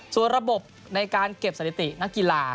ส่วนระบบในการเก็บสถิตินักกีฬา